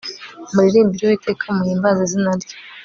muririmbire uwiteka muhimbaze izina rye